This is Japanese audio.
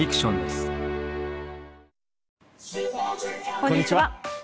こんにちは。